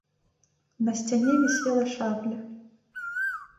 На сцяне вісела шабля.